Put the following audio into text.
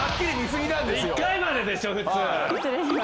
１回まででしょ普通。